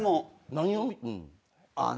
何を？